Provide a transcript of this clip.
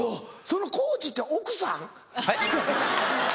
そのコーチって奥さん？